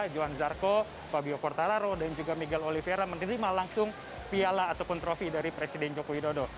johan zarco fabio quartararo dan juga miguel olivera menerima langsung piala ataupun trofi dari presiden joko widodo